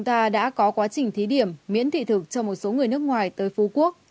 ta đã có quá trình thí điểm miễn thị thực cho một số người nước ngoài tới phú quốc